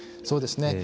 そうですね。